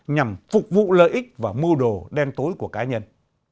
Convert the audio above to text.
nhằm phục vụ lợi ích và mưu đồ đen tối của cá nhân